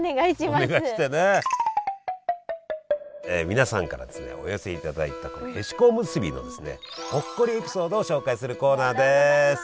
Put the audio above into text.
皆さんからお寄せいただいたへしこおむすびのほっこりエピソードを紹介するコーナーです！